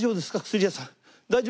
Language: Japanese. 薬屋さん」。